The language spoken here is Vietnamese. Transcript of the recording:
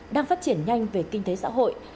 đang phát triển nhanh về kinh tế xã hội